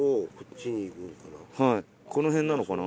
このへんなのかな？